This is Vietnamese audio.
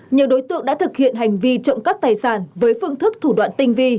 nhiều đối tượng đã thực hiện hành vi trộm cắp tài sản với phương thức thủ đoạn tinh vi